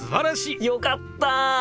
よかった！